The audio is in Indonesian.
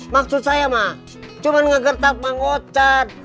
maksud saya mah cuman ngegetap mang ocat